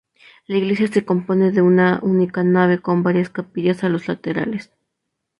La iglesia se compone de una única nave con varias capillas a los laterales.